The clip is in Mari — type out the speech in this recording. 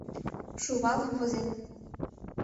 Шувалов возен.